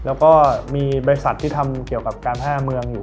แล้วก็มีบริษัทที่ทำเกี่ยวกับการแพร่เมืองอยู่